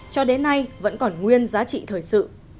cho đến nay vẫn còn nguyên giá trị thời sự